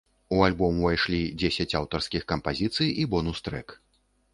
У альбом увайшлі дзесяць аўтарскіх кампазіцый і бонус-трэк.